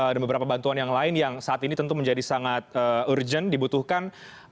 dan beberapa bantuan yang lain yang saat ini tentu menjadi sangat urgent dibutuhkan